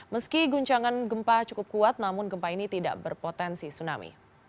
meski guncangan gempa cukup kuat namun gempa ini tidak berpotensi tsunami